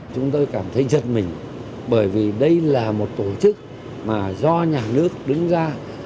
chúng tôi cảm thấy giật mình bởi vì đây là một tổ chức mà do nhà nước đứng ra